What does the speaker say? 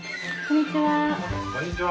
こんにちは。